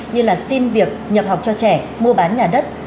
như là xin việc nhập học cho trẻ mua bán nhà đất